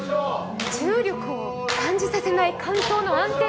重力を感じさせない竿燈。